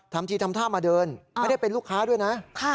ทีทำท่ามาเดินไม่ได้เป็นลูกค้าด้วยนะ